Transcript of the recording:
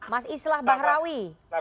mas islah bahrawi